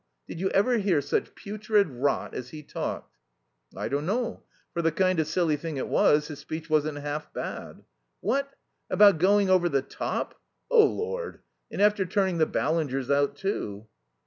Did you ever hear such putrid rot as he talked?" "I don't know. For the kind of silly thing it was, his speech wasn't half bad." "What? About going over the top? Oh, Lord! And after turning the Ballingers out, too."